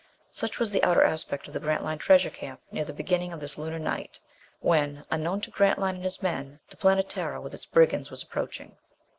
Such was the outer aspect of the Grantline Treasure Camp near the beginning of this Lunar night, when, unknown to Grantline and his men, the Planetara with its brigands was approaching.